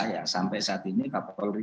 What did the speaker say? ya sampai saat ini kapolri